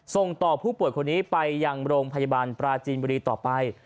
ส่งต่อผู้ป่วยคนนี้ไปยังโรงพยาบาลปราจีนบุรีต่อไป